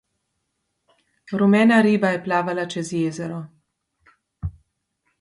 Rumena riba je plavala čez jezero.